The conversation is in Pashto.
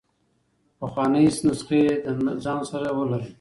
پخوانۍ نسخې له ځان سره ولرئ.